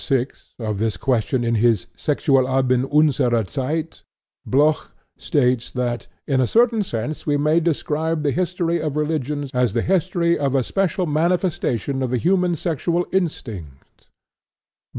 VI) of this question in his Sexualleben unserer Zeit, Bloch states that "in a certain sense we may describe the history of religions as the history of a special manifestation of the human sexual instinct."